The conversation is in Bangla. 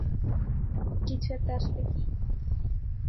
এই কিছু একটা আসলে কী?